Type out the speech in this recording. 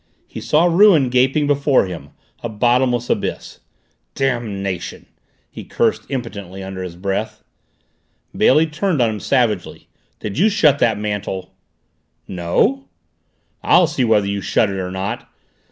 He saw ruin gaping before him a bottomless abyss. "Damnation!" he cursed impotently under his breath. Bailey turned on him savagely. "Did you shut that mantel?" "No!" "I'll see whether you shut it or not!"